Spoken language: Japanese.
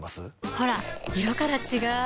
ほら色から違う！